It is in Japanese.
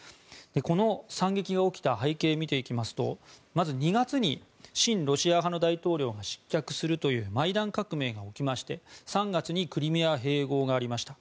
この惨劇が起きた背景を見ていきますとまず２月に親ロシア派の大統領が失脚するというマイダン革命が置きまして３月クリミア併合がありました。